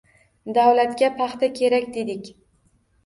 Davlatga paxta kerak dedik